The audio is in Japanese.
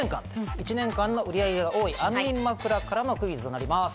１年間の売り上げが多い安眠枕のクイズとなります。